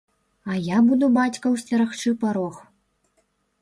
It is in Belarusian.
А я буду бацькаў сцерагчы парог.